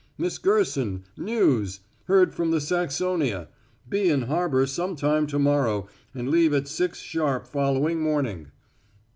Miss Gerson news! Heard from the Saxonia. Be in harbor some time to morrow and leave at six sharp following morning."